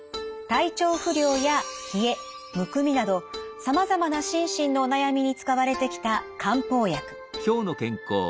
体調不良や冷えむくみなどさまざまな心身のお悩みに使われてきた漢方薬。